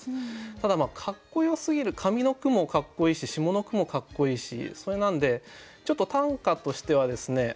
ただかっこよすぎる上の句もかっこいいし下の句もかっこいいしそれなんでちょっと短歌としてはですね